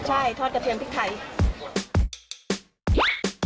ใช่ทอดกระเทียมพริกไทย